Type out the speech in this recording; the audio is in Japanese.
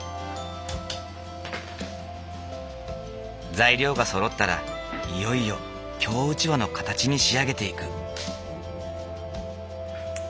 材料がそろったらいよいよ京うちわの形に仕上げていく。